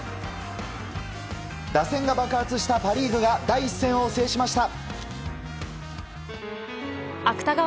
打線が爆発したパ・リーグが第１戦を制しました。